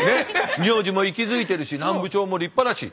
名字も息づいているし南部町も立派だし。